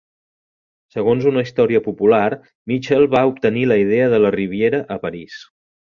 Segons una història popular, Mitchell va obtenir la idea de la Riviera a París.